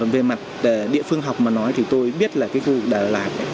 về mặt địa phương học mà nói thì tôi biết là cái khu vực đà lạt